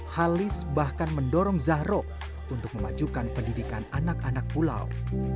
halis bahkan mendorong zahro untuk memajukan pendidikan anak anak pulau